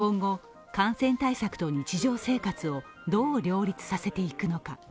今後、感染対策と日常生活をどう両立させていくのか。